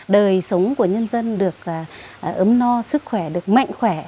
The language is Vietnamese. đời sống của nhân dân được ấm no sức khỏe được mạnh khỏe